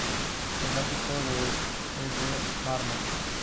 El ático es de mármol.